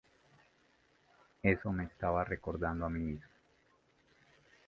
Eso me recordaba a mí mismo.